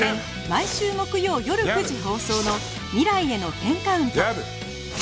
毎週木曜よる９時放送の『未来への１０カウント』